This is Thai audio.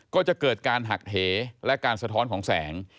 ก็จะเกิดการหักเหและการสะท้อนของแสง